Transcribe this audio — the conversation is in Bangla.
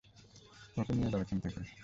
ওকে নিয়ে যাও এখান থেকে।